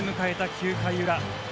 ９回裏。